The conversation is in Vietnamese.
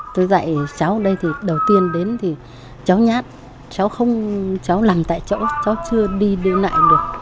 tôi dạy cháu ở đây thì đầu tiên đến thì cháu nhát cháu không cháu làm tại chỗ cháu chưa đi đi lại được